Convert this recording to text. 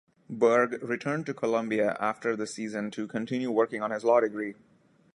Berg returned to Columbia after the season to continue working on his law degree.